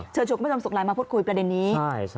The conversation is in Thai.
เชิญชวนคุณผู้ชมส่งไลน์มาพูดคุยประเด็นนี้